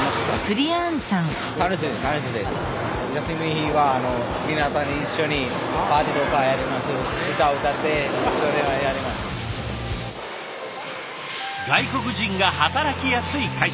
日本の何か外国人が働きやすい会社。